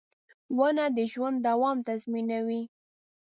• ونه د ژوند دوام تضمینوي.